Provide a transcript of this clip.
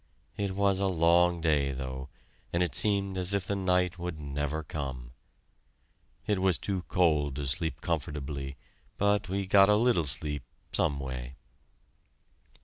It was a long day, though, and it seemed as if the night would never come. It was too cold to sleep comfortably, but we got a little sleep, some way.